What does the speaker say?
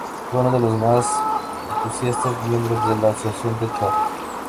Fue uno de los más entusiastas miembros de la Asociación de Charros.